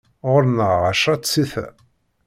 Ɣur-neɣ εecra tsita.